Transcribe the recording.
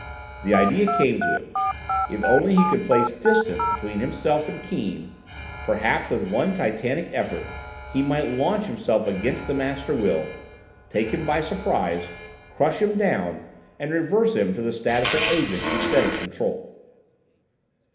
The idea came to him: if only he could place distance between himself and Keane, perhaps with one titanic effort he might launch himself against the Master Will, take him by surprise, crush him down, and reverse him to the status of Agent instead of Control.